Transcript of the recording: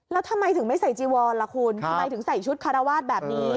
แล้วทำไมถึงไม่ใส่จีวอนล่ะคุณทำไมถึงใส่ชุดคารวาสแบบนี้